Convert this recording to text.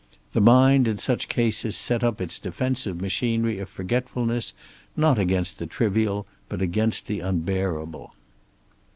The mind in such cases set up its defensive machinery of forgetfulness, not against the trivial but against the unbearable.